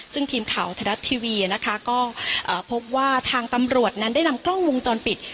ซึ่งทีมข่าวไทยรัฐทีวีนะคะก็พบว่าทางตำรวจนั้นได้นำกล้องวงจรปิด